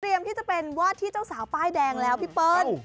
พร้อมทรียมที่จะเป็นวาดที่เจ้าสาวป้ายแดงแล้วพี่เพิ่ล